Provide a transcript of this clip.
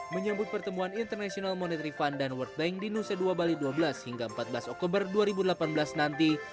menyambut pertemuan international monetary fund dan world bank di nusa dua bali dua belas hingga empat belas oktober dua ribu delapan belas nanti